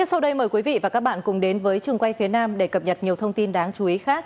cảm ơn quý vị và các bạn cùng đến với trường quay phía nam để cập nhật nhiều thông tin đáng chú ý khác